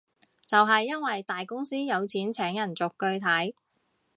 就係因為大公司有錢請人逐句睇